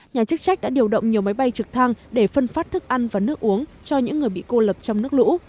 nhà chức trách đã điều động nhiều máy bay trực thăng để phân phát thức ăn và nước uống cho những người bị cô lập trong nước lũ